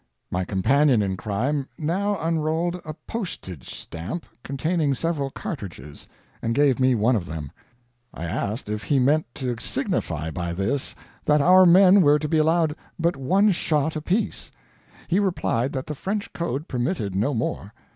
My companion in crime now unrolled a postage stamp containing several cartridges, and gave me one of them. I asked if he meant to signify by this that our men were to be allowed but one shot apiece. He replied that the French code permitted no more.